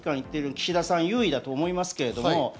岸田さんの優位だとは思いますけれども。